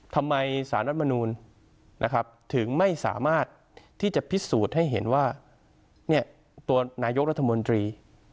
ทำไมสารรัฐมนุญนะครับถึงไม่สามารถที่จะผิดสูตรให้เห็นว่าตัวนายกราธมนตรี